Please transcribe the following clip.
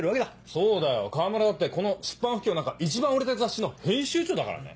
そうだよ河村だってこの出版不況の中一番売れてる雑誌の編集長だからね。